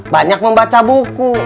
banyak membaca buku